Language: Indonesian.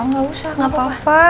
gak usah gak usah